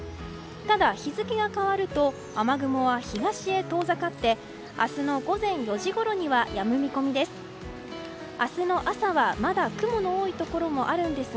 ただ、日付が変わると雨雲は東へ遠ざかって明日の午前４時ごろにはやむ見込みです。